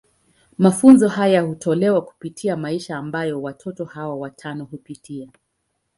Mafunzo haya hutolewa kupitia maisha ambayo watoto hawa watano hupitia.